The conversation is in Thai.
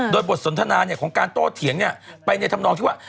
โดยบทสนทนาเนี่ยของการโต้เถียงเนี่ยไปในทำนองที่ว่า